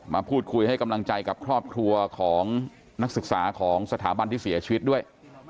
มาพูดคุยให้กำลังใจกับครอบครัวของนักศึกษาของสถาบันที่เสียชีวิตด้วย